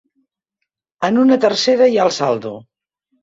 En una tercera hi ha el saldo.